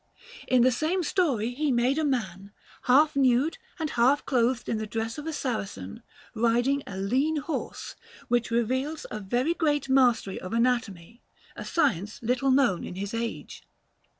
In the same story he made a man, half nude and half clothed in the dress of a Saracen, riding a lean horse, which reveals a very great mastery of anatomy, a science little known in his age.